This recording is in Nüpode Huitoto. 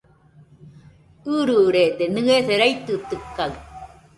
ɨrɨrede, nɨese raitɨtɨkaɨ